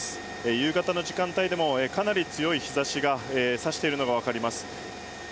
夕方の時間帯でもかなり強い日差しが差しているのが分かります。